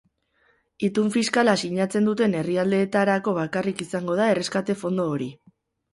Itun fiskala sinatzen duten herrialdeetarako bakarrik izango da erreskate fondo hori.